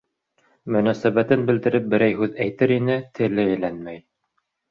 Мөнәсәбәтен белдереп берәй һүҙ әйтер ине - теле әйләнмәй.